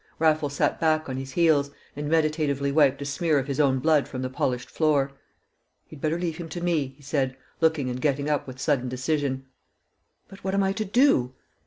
Raffles sat back on his heels, and meditatively wiped a smear of his own blood from the polished floor. "You'd better leave him to me," he said, looking and getting up with sudden decision. "But what am I to do?"